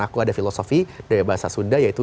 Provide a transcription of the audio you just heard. aku ada filosofi dari bahasa sunda yaitu